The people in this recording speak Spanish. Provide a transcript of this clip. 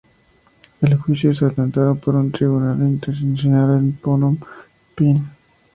El juicio es adelantado por un tribunal internacional en Phnom Penh.